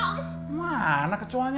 bun bun aya aya kan cuma bercanda